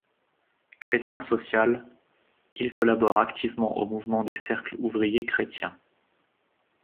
Chrétien social, il collabore activement au mouvement des cercles ouvriers chrétiens.